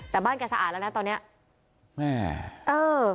แต่บ้านแกสะอาดแล้วนะตอนเนี้ยแม่เออ